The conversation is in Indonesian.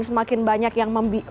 semakin banyak yang